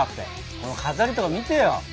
この飾りとか見てよ。